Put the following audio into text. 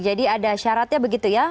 jadi ada syaratnya begitu ya